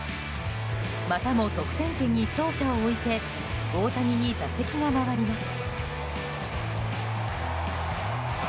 またも得点圏に走者を置いて大谷に打席が回ります。